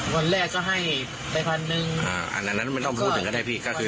วันแรกก็ให้ไปพันหนึ่งอ่าอันนั้นไม่ต้องพูดถึงก็ได้พี่ก็คือ